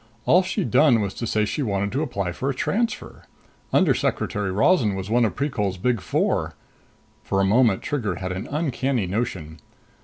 All she'd done was to say she wanted to apply for a transfer! Undersecretary Rozan was one of Precol's Big Four. For a moment, Trigger had an uncanny notion.